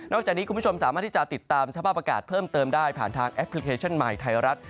จากนี้คุณผู้ชมสามารถที่จะติดตามสภาพอากาศเพิ่มเติมได้ผ่านทางแอปพลิเคชันใหม่ไทยรัฐ